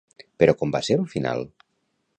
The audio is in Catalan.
Però com va ser el final?